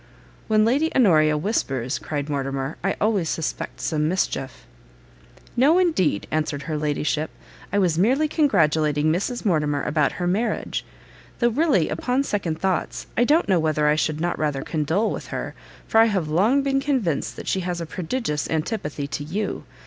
"When Lady Honoria whispers," cried Mortimer, "I always suspect some mischief." "No indeed," answered her ladyship, "I was merely congratulating Mrs Mortimer about her marriage. Though really, upon second thoughts, I don't know whether I should not rather condole with her, for I have long been convinced she has a prodigious antipathy to you.